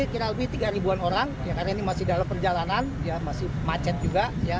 kira kira lebih tiga ribuan orang karena ini masih dalam perjalanan masih macet juga